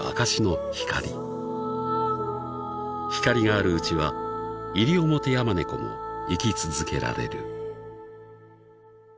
［光があるうちはイリオモテヤマネコも生き続けられる］